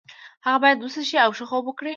هغه باید وڅښي او ښه خوب وکړي.